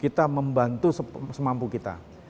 kita membantu semampu kita